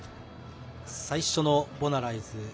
最初の「ボナライズ」。